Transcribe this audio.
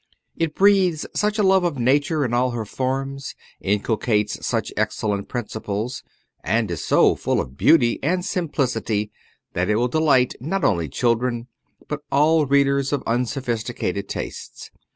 It breathes such a love of Nature in all her forms, inculcates such excellent principles, and is so full of beauty and simplicity, that it will delight not only children, but all readers of unsophisticated tastes.